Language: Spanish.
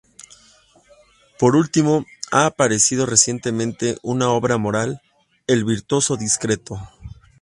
Por último, ha aparecido recientemente una obra moral, "El virtuoso discreto".